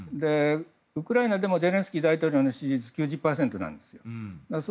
ウクライナでもゼレンスキー大統領の支持率は９０％なんです。